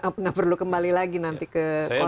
kalau mudik nggak perlu kembali lagi nanti ke kota